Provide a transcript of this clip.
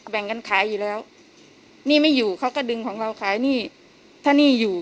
แบ่งกันขายอยู่แล้วหนี้ไม่อยู่เขาก็ดึงของเราขายหนี้ถ้าหนี้อยู่